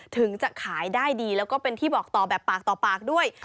ถึงจะขายได้ดีแล้วก็เป็นที่บอกต่อแบบปากต่อปากด้วย